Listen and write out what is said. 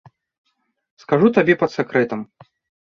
Скажу табе пад сакрэтам.